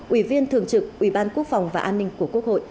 ủy viên thường trực ủy ban quốc phòng và an ninh của quốc hội